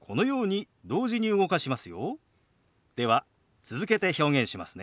では続けて表現しますね。